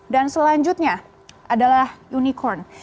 dan selanjutnya adalah unicorn